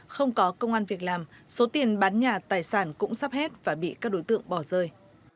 không có công an việc làm số tiền bán nhà tài sản cũng sắp hết và bị các đối tượng bỏ rơi